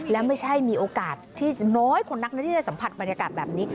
และไม่ใช่มีโอกาสที่น้อยคนนักนะที่จะสัมผัสบรรยากาศแบบนี้